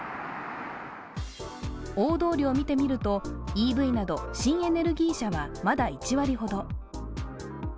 大通りを見てみると、ＥＶなど新エネルギー車はまだ１割ほど。